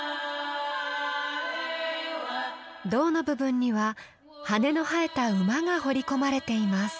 胴の部分には羽の生えた馬が彫り込まれています。